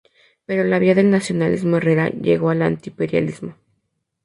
Por la vía del nacionalismo Herrera llegó al antiimperialismo.